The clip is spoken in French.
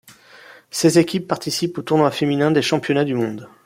Seize équipes participent au tournoi féminin des championnats du monde.